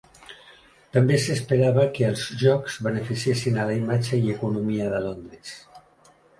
També s'esperava que els Jocs beneficiessin a la imatge i economia de Londres.